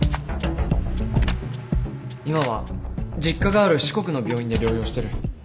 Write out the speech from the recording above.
今は実家がある四国の病院で療養してる。